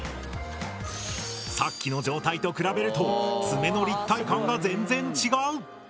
さっきの状態と比べると爪の立体感が全然違う！